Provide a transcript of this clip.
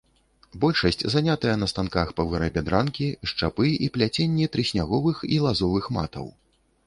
Большасць занятая на станках па вырабе дранкі, шчапы і пляценні трысняговых і лазовых матаў.